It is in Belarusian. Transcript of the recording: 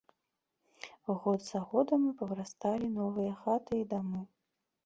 Год за годам і павырасталі новыя хаты і дамы.